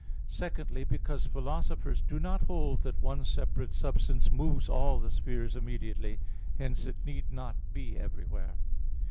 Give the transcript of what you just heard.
Secondly, because philosophers do not hold that one separate substance moves all the spheres immediately. Hence it need not be everywhere.